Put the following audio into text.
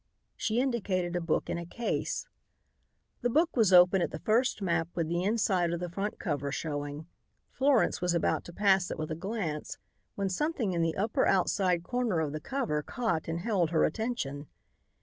She indicated a book in a case. The book was open at the first map with the inside of the front cover showing. Florence was about to pass it with a glance when something in the upper outside corner of the cover caught and held her attention.